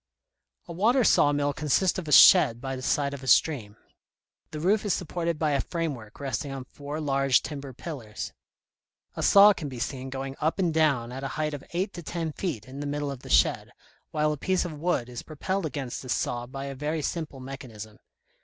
A water saw mill consists of a shed by the side of a stream. The roof is supported by a framework resting on four large timber pillars. A saw can be seen going up and down at a height of eight to ten feet in the middle of the shed, while a piece of wood is propelled against this saw by a very simple mechanism.